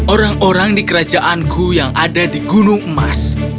orang orang di kerajaanku yang ada di gunung emas